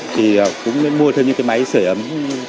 thì cũng mua thêm những cái máy sửa ấm